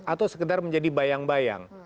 atau sekedar menjadi bayang bayang